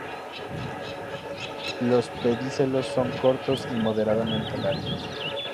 Los pedicelos son cortos y moderadamente largos.